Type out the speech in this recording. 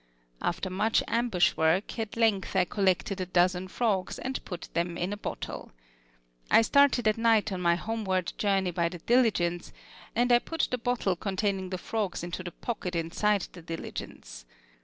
After much ambush work, at length I collected a dozen frogs and put them in a bottle. I started at night on my homeward journey by the diligence, and I put the bottle containing the frogs into the pocket inside the diligence.